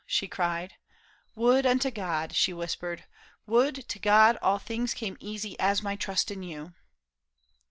" she cried, " Would unto God," she whispered, " would to God All things came easy as my trust in you."